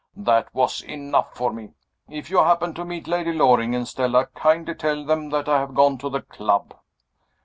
That was enough for me. If you happen to meet Lady Loring and Stella, kindly tell them that I have gone to the club."